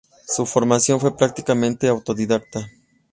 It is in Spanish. Su formación fue prácticamente autodidacta.